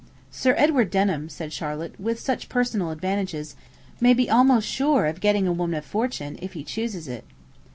'Sir Edward Denham,' said Charlotte, 'with such personal advantages, may be almost sure of getting a woman of fortune, if he chooses it.'